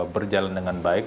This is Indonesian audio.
berjalan dengan baik